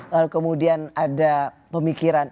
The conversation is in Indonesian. lalu kemudian ada pemikiran